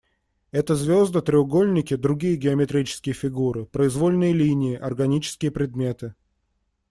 Это звезды, треугольники, другие геометрические фигуры, произвольные линии, органические предметы.